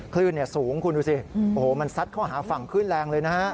คลื่นสูงคุณดูสิโอ้โหมันซัดเข้าหาฝั่งคลื่นแรงเลยนะฮะ